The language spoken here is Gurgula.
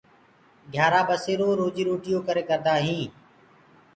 گھيآرآ ٻسيرو روجي روٽيو ڪي ڪري هينٚ۔